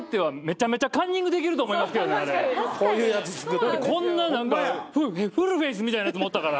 だってこんな何かフルフェイスみたいなやつもおったから。